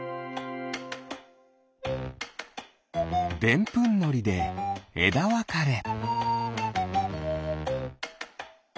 でんぷんのりでえだわかれ。